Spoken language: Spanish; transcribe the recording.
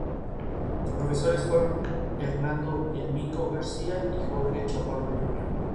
Para encontrar greda, hay que fijarse en el color de la tierra.